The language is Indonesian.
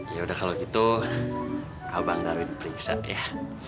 ya udah kalau gitu abang darwin periksa ya